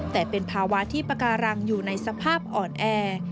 แต่เป็นภาวะที่ปาการังอยู่ในสภาพอ่อนแอ